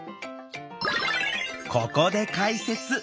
ここで解説！